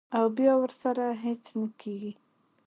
او بیا ورسره هېڅ نۀ کيږي -